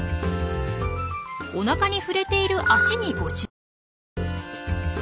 おなかに触れている足にご注目。